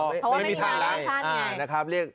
เพราะไม่มีทางไร